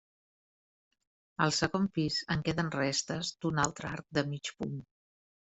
Al segon pis en queden restes d'un altre arc de mig punt.